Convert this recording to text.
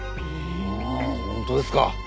ああ本当ですか？